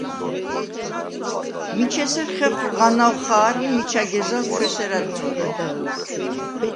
“მიჩ ესერ ხეხუ̂ ღანაუ̂ ხა̄რ ი მიჩა გეზალ ჩუ ესერ ა̈დწორე”.